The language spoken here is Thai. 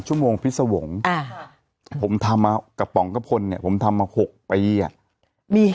ชั่วโมงพิษวงศ์ผมทำมากระป๋องกระพลเนี่ยผมทำมา๖ปีอ่ะ